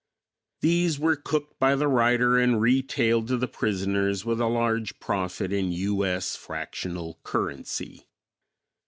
These were cooked by the writer and retailed to the prisoners with large profit in U. S. fractional currency.